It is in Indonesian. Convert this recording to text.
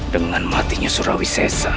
dengan matinya surawi sesat